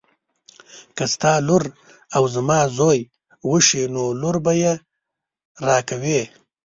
که ستا لور او زما زوی وشي نو لور به یې راکوي.